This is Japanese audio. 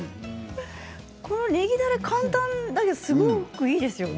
このねぎだれ簡単だけど、すごくいいですね。